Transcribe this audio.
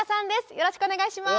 よろしくお願いします。